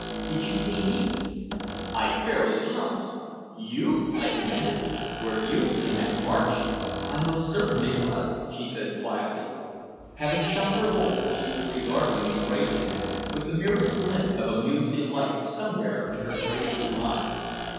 "Did you see me?" I fairly jumped! "You?" I demanded. "Were you in that march?" "I most certainly was," she said quietly. Having shot her bolt she was regarding me gravely now, with the merest glint of amused delight somewhere in her gray blue eyes.